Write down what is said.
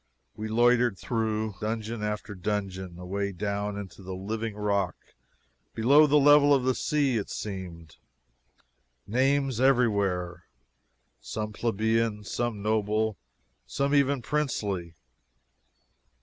We loitered through dungeon after dungeon, away down into the living rock below the level of the sea, it seemed. Names everywhere! some plebeian, some noble, some even princely.